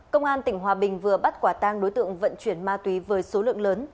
công an tỉnh hòa bình vừa bắt quả tang đối tượng vận chuyển ma túy với số lượng lớn